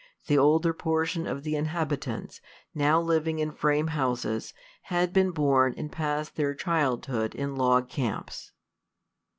The older portion of the inhabitants, now living in frame houses, had been born and passed their childhood in log camps.